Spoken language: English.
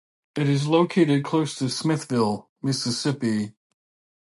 It is located close to Smithville, Mississippi.